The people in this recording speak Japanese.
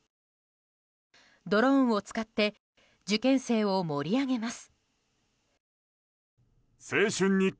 ドローンを使って受験生を盛り上げます。